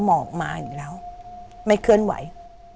หมอกมาอีกแล้วไม่เคลื่อนไหว